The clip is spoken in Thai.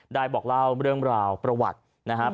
บอกเล่าเรื่องราวประวัตินะครับ